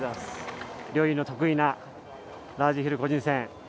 陵侑の得意なラージヒル個人戦。